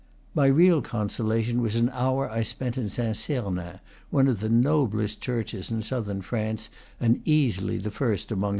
My real consolation was an hour I spent in Saint Sernin, one of the noblest churches in southern France, and easily the first among those of Toulouse.